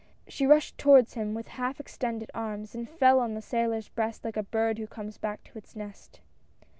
She rushed toward him with half extended arms and fell on the sailor's breast like a bird who comes back to its nest.